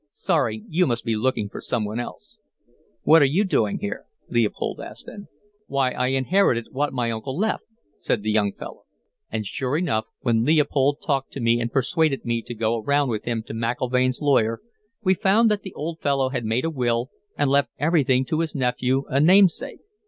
'Sorry, you must be looking for someone else.' "'What're you doing here?' Leopold asked then. "'Why, I inherited what my uncle left,' said the young fellow. "And, sure enough, when Leopold talked to me and persuaded me to go around with him to McIlvaine's lawyer, we found that the old fellow had made a will and left everything to his nephew, a namesake.